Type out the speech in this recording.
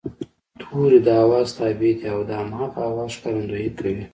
توری د آواز تابع دی او د هماغه آواز ښکارندويي کوي